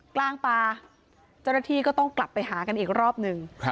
กลางป่าเจ้าหน้าที่ก็ต้องกลับไปหากันอีกรอบหนึ่ง